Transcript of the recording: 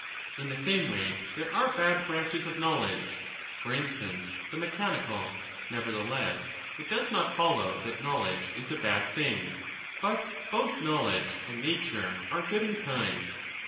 In the same way there are bad branches of knowledge, for instance the mechanical ; nevertheless it does not follow that knowledge is a bad thing, but both knowledge and nature are good in kind.